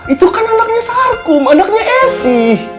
itu kan anaknya sarkum anaknya esi